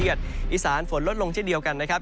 อีสานฝนลดลงเช่นเดียวกันนะครับ